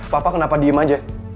papa kenapa diem aja